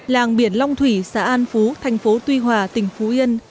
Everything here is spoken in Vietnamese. làng biển long thủy xã an phú thành phố tuy hòa tỉnh phú yên